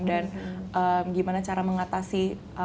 dan gimana cara mengatasi